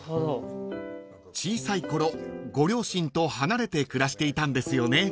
［小さいころご両親と離れて暮らしていたんですよね］